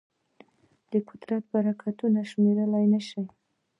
د قدرت برکتونه شمېرل نهشي.